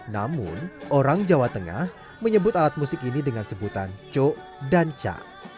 namun orang jawa tengah menyebut alat musik ini dengan sebutan co dan ca